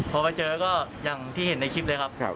พอมาเจอก็อย่างที่เห็นในคลิปเลยครับ